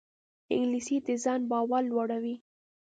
انګلیسي د ځان باور لوړوي